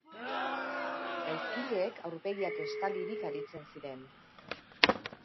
Gaizkileek aurpegiak estalirik aritzen ziren.